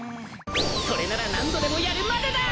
それなら何度でもやるまでだ！